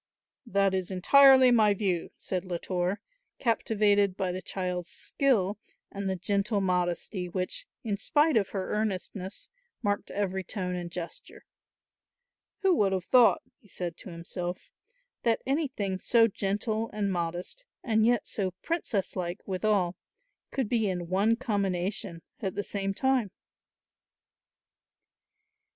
"That is entirely my view," said Latour, captivated by the child's skill and the gentle modesty which, in spite of her earnestness, marked every tone and gesture. "Who would have thought," he said to himself, "that anything so gentle and modest and yet so princess like withal could be in one combination at the same time?"